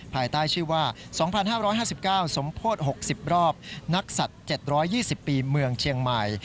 ภายใต้ชื่อว่า๒๕๕๙สมโพธิ๖๐รอบนักศัตริย์๗๒๐ปีเมืองเชียงใหม่